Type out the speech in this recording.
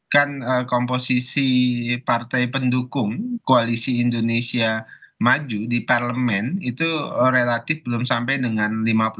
kan komposisi partai pendukung koalisi indonesia maju di parlemen itu relatif belum sampai dengan lima puluh